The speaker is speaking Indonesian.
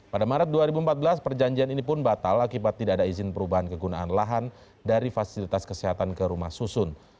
pada maret dua ribu empat belas perjanjian ini pun batal akibat tidak ada izin perubahan kegunaan lahan dari fasilitas kesehatan ke rumah susun